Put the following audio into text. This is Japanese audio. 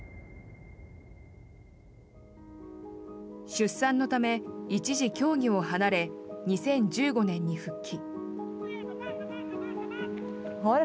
出産のため、一時競技を離れ２０１５年に復帰。